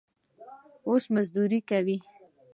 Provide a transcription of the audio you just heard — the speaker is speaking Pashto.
اوس مزدوري کوي.